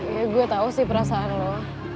ya gue tau sih perasaan lo